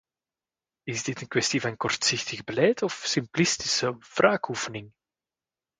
Is dit een kwestie van kortzichtig beleid of simplistische wraakoefening?